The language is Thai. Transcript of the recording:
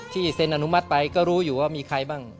เซ็นอนุมัติไปก็รู้อยู่ว่ามีใครบ้าง